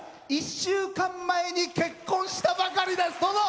１週間前に結婚したばかりです。